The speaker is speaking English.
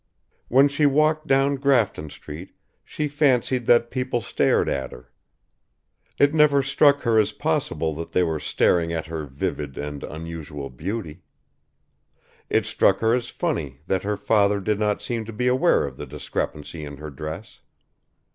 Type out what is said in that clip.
When she walked down Grafton Street she fancied that people stared at her. It never struck her as possible that they were staring at her vivid and unusual beauty. It struck her as funny that her father did not seem to be aware of the discrepancy in her dress.